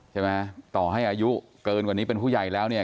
ใช่ไหมต่อให้อายุเกินกว่านี้เป็นผู้ใหญ่แล้วเนี่ย